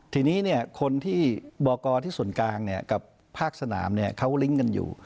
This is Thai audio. ทีนี้คนที่บอกกที่ส่วนกลางกับภาคสนามเขาลิงก์กันอยู่